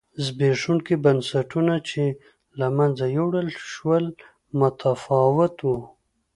زبېښونکي بنسټونه چې له منځه یووړل شول متفاوت و.